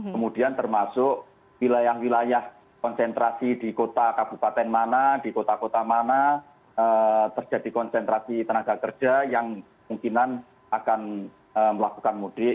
kemudian termasuk wilayah wilayah konsentrasi di kota kabupaten mana di kota kota mana terjadi konsentrasi tenaga kerja yang kemungkinan akan melakukan mudik